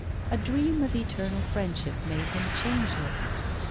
A dream of eternal friendship made him changeless.